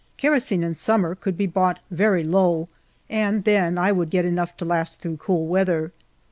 Kerosene in summer could be bought very low, and then I would get enough to last through cool weather.